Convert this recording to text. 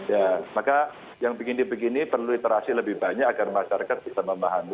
ya maka yang begini begini perlu literasi lebih banyak agar masyarakat bisa memahami